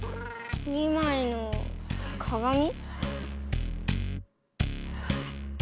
２まいのかがみ？